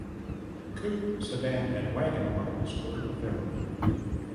Coupe, sedan, and wagon models were available.